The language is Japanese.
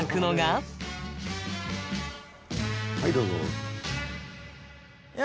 はいどうぞ。